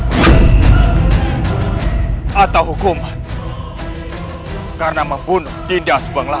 di kantor hukuman karena membunuh dindagebangla